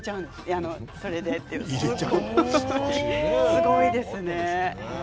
すごいですね。